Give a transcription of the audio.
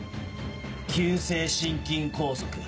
急性心筋梗塞。